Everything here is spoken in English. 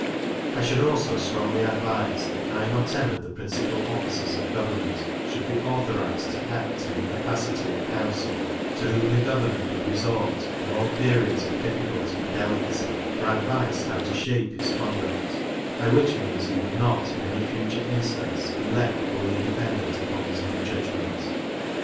I should also strongly advise, that nine or ten of the principal officers of government should be authorized to act in the capacity of council, to whom the governor could resort, in all periods of difficulty and delicacy, for advice how to shape his conduct, by which means he would not, in any future instance, be left wholly dependent upon his own judgment.